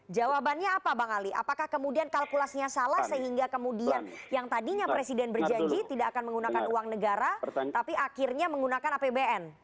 jawabannya apa bang ali apakah kemudian kalkulasinya salah sehingga kemudian yang tadinya presiden berjanji tidak akan menggunakan uang negara tapi akhirnya menggunakan apbn